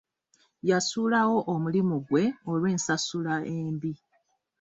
Yasuulawo omulimu gwe olw’ensasula embi.